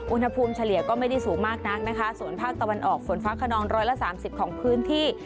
เฉลี่ยก็ไม่ได้สูงมากนักนะคะส่วนภาคตะวันออกฝนฟ้าขนองร้อยละสามสิบของพื้นที่